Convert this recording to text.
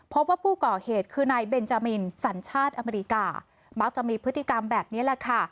พบว่าผู้ก่อเหตุคือนายเบนจามินสัญชาติอเมริกามักจะมีพฤติกรรมแบบนี้แหละค่ะ